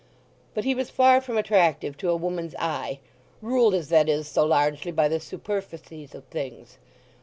But he was far from attractive to a woman's eye, ruled as that is so largely by the superficies of things.